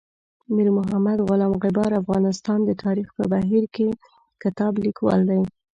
میر محمد غلام غبار افغانستان د تاریخ په بهیر کې کتاب لیکوال دی.